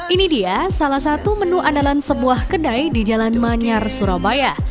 ini dia salah satu menu andalan sebuah kedai di jalan manyar surabaya